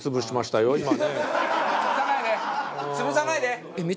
潰さないで。